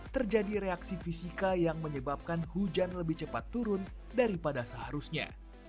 terjadi reaksi fisika yang menyebabkan hujan lebih cepat turun daripada seharusnya